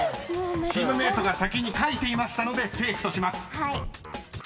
［チームメートが先に書いていましたのでセーフとします］